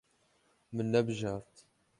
Min nebijart.